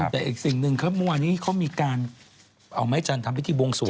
แต่อีกสิ่งหนึ่งเพราะวันนี้เขามีการเอาไม้จันทรัพย์ไปที่โบงสูง